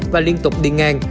và liên tục đi ngang